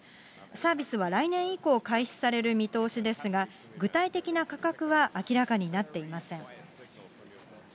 サービスは来年以降開始される見通しですが、具体的な価格は明らかになっていません。